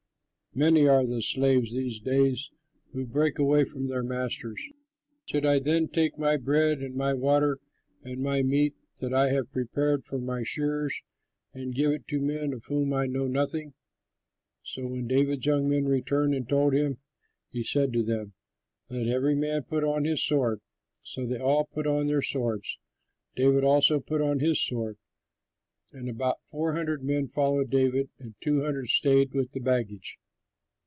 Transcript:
Many are the slaves these days who break away from their masters! Should I then take my bread and my water and my meat that I have prepared for my shearers and give it to men of whom I know nothing?" So when David's young men returned and told him, he said to them, "Let every man put on his sword." So they all put on their swords. David also put on his sword; and about four hundred men followed David, and two hundred stayed with the baggage.